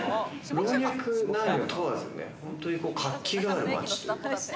老若男女問わず本当に活気がある街というか。